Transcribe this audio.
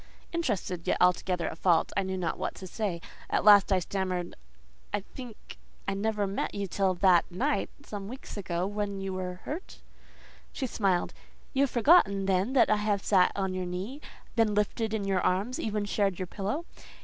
Interested, yet altogether at fault, I knew not what to say. At last I stammered, "I think I never met you till that night, some weeks ago, when you were hurt…?" She smiled. "You have forgotten then that I have sat on your knee, been lifted in your arms, even shared your pillow?